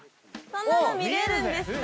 そんなの見れるんですか？